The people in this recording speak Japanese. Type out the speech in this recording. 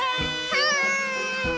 はい！